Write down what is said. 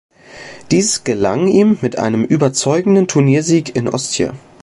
Dies gelang ihm mit einem überzeugenden Turniersieg in Ostia.